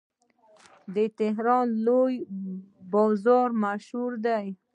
د تهران لوی بازار مشهور دی.